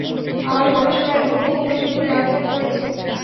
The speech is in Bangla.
আমার গবেষণায় ও বহুবছর ধরে অর্থায়ন করছে।